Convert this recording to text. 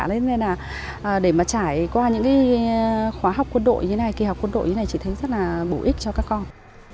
nên là để mà trải qua những cái khóa học quân đội như thế này kỳ học quân đội như này chị thấy rất là bổ ích cho các con